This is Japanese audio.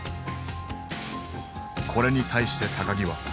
これに対して木は。